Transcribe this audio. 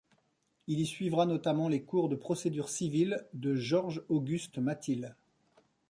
Il y suivra notamment les cours de procédure civile de Georges-Auguste Matile.